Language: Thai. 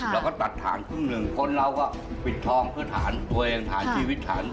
เราก็ตัดฐานครึ่งหนึ่งคนเราก็ปิดทองเพื่อฐานตัวเองฐานชีวิตฉัน